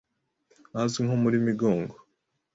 ahazwi nko muri Migongo